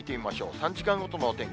３時間ごとのお天気。